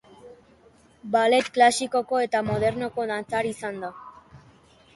Ballet klasikoko eta modernoko dantzari izan da.